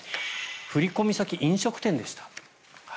振込先、飲食店でした。